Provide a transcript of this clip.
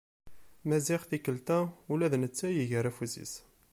Maziɣ tikkelt-a ula d netta iger afus-is.